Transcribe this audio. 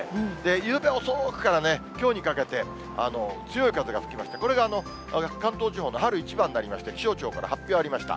ゆうべ遅くからきょうにかけて、強い風が吹きまして、これが関東地方の春一番になりまして、気象庁から発表がありました。